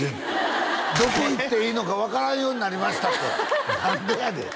どこ行っていいのか分からんようになりましたって何でやねん！